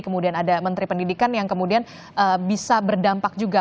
kemudian ada menteri pendidikan yang kemudian bisa berdampak juga